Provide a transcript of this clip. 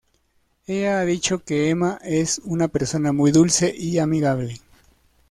Ella ha dicho que "Emma es una persona muy dulce y amigable.